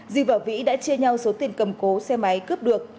di và vĩ đã chia nhau số tiền cầm cố xe máy cướp được